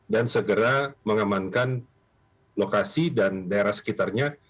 dan segera mengamankan lokasi dan daerah sekitarnya